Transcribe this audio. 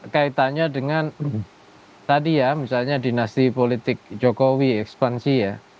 kaitannya dengan tadi ya misalnya dinasti politik jokowi ekspansi ya